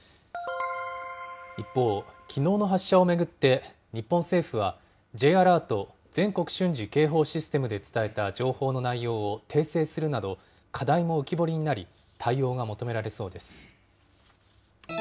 一方、きのうの発射を巡って、日本政府は、Ｊアラート・全国瞬時警報システムで伝えた情報の内容を訂正するなど、課題も浮き彫りになり、対応が求められそうです。